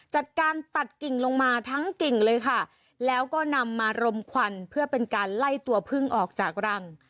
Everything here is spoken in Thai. จัดการตัดกิ่งลงมาทั้งกิ่งเลยค่ะแล้วก็นำมารมควันเพื่อเป็นการไล่ตัวพึ่งออกจากรัง